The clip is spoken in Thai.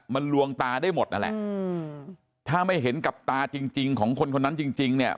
มันลวงตาได้หมดนั่นแหละถ้าไม่เห็นกับตาจริงของคนคนนั้นจริงจริงเนี่ย